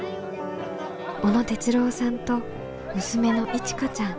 小野哲郎さんと娘のいちかちゃん。